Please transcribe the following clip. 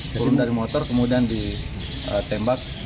turun dari motor kemudian ditembak